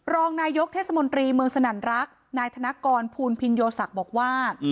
รองนายกเวรเทซบริเวร์นากหน้ากรพูนพิงโยศักดิ์บอกว่า